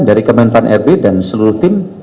dari kementerian pembangunan dan pembangunan dan seluruh tim